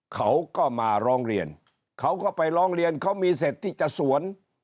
เขาก็มาร้องเรียนเขาก็ไปร้องเรียนเขามีเสร็จที่จะสวน